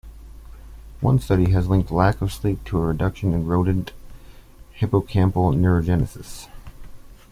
One study has linked lack of sleep to a reduction in rodent hippocampal neurogenesis.